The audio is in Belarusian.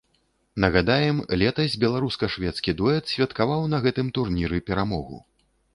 Нагадаем, летась беларуска-шведскі дуэт святкаваў на гэтым турніры перамогу.